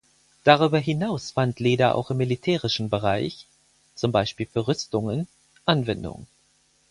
Darüber hinaus fand Leder auch im militärischen Bereich (zum Beispiel für Rüstungen) Anwendung.